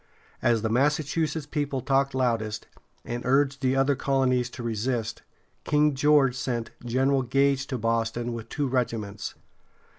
As the Massachusetts people talked loudest, and urged the other colonies to resist, King George sent General Gage to Boston with two regiments.